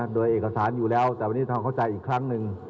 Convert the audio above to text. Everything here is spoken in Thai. โดยเอกสารอยู่แล้วแต่วันนี้ทำเข้าใจอีกครั้งหนึ่ง